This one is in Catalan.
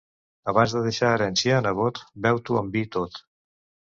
Abans de deixar herència a nebot, beu-t'ho en vi tot.